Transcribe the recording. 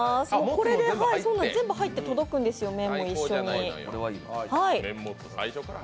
これで全部入って届くんですよね、一緒に。